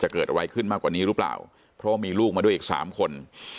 เกิดอะไรขึ้นมากกว่านี้หรือเปล่าเพราะว่ามีลูกมาด้วยอีกสามคน